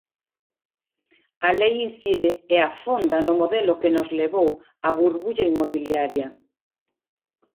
A lei incide e afonda no modelo que nos levou á burbulla inmobiliaria.